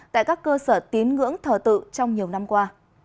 tại các cơ sở tín ngưỡng thờ tự trong nhiều năm qua